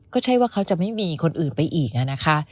ก็ใช่ว่าเขาจะไม่มีคนอื่นไปอีกนะคะ